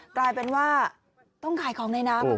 กลายเป็นว่าต้องขายของในน้ำ